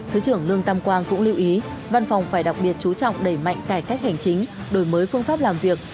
thứ trưởng lương tam quang cũng lưu ý văn phòng phải đặc biệt chú trọng đẩy mạnh cải cách hành chính đổi mới phương pháp làm việc